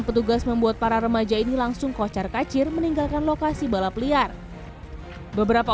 petugas membuat para remaja ini langsung kocar kacir meninggalkan lokasi balap liar beberapa